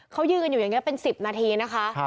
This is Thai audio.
เขายืนกันอยู่อย่างนี้เป็น๑๐นาทีนะคะ